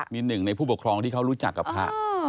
มีหนึ่งในผู้ปกครองที่เขารู้จักกับพระ